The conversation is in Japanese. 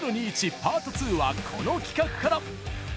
パート２は、この企画から。